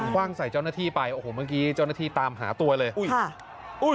คว่างใส่เจ้าหน้าที่ไปโอ้โหเมื่อกี้เจ้าหน้าที่ตามหาตัวเลย